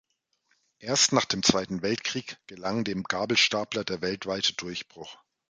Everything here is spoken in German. Erst nach dem Zweiten Weltkrieg gelang dem Gabelstapler der weltweite Durchbruch.